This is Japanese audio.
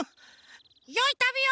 よいたびを！